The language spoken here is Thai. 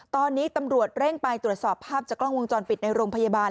ตอนนี้ตำรวจเร่งไปตรวจสอบภาพจากกล้องวงจรปิดในโรงพยาบาล